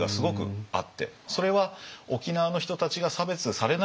それは沖縄の人たちが差別されないように。